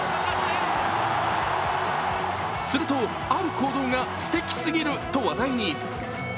すると、ある行動が、すてきすぎると話題に。